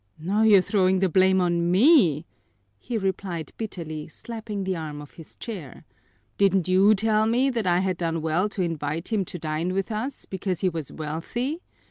"Now you're throwing the blame on me," he replied bitterly, slapping the arm of his chair. "Didn't you tell me that I had done well to invite him to dine with us, because he was wealthy?